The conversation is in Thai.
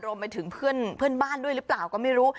รวมไปถึงเพื่อนบ้านด้วยหรือเปล่าก็ไม่รู้